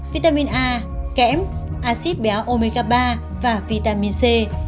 vitamin a kẽm acid béo omega ba và vitamin c